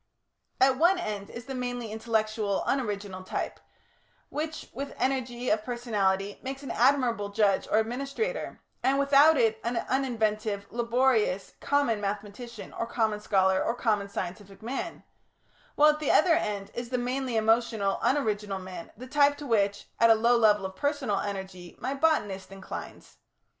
At one end is the mainly intellectual, unoriginal type, which, with energy of personality, makes an admirable judge or administrator and without it an uninventive, laborious, common mathematician, or common scholar, or common scientific man; while at the other end is the mainly emotional, unoriginal man, the type to which at a low level of personal energy my botanist inclines.